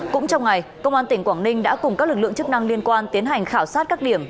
cũng trong ngày công an tỉnh quảng ninh đã cùng các lực lượng chức năng liên quan tiến hành khảo sát các điểm